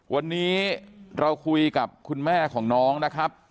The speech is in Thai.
วันนี้เราคุยกับคุณแม่ของน้องนะครับ